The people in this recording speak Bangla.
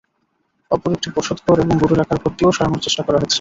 অপর একটি বসতঘর এবং গরু রাখার ঘরটিও সরানোর চেষ্টা করা হচ্ছে।